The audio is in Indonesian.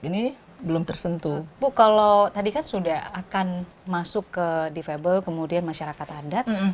ini belum tersentuh bu kalau tadi kan sudah akan masuk ke defable kemudian masyarakat adat